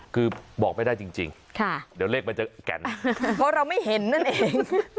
คือบอกไม่ได้จริงเดี๋ยวเลขมันจะแก่นเพราะเราไม่เห็นนั่นเอง